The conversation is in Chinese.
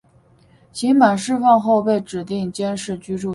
刑满释放后被指定监视居住一年。